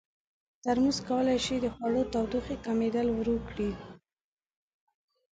ترموز کولی شي د خوړو تودوخې کمېدل ورو کړي.